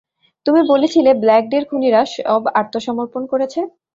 তুমি বলেছিলে ব্ল্যাক ডের খুনিরা সব আত্মসমর্পণ করেছে?